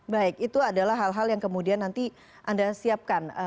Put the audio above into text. baik itu adalah hal hal yang kemudian nanti anda siapkan